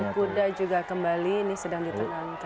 kuda juga kembali ini sedang ditenangkan